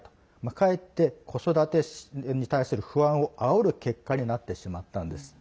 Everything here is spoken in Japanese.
かえって子育てに対する不安をあおる結果になってしまったんです。